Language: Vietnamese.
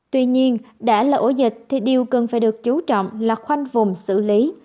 tuy nhiên đã là ổ dịch thì điều cần phải được chú trọng là khoanh vùng xử lý